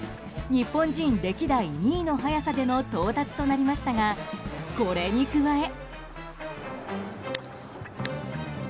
日本人歴代２位の早さでの到達となりましたがこれに加え。